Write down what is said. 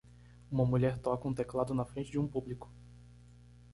Uma mulher toca um teclado na frente de um público.